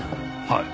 はい。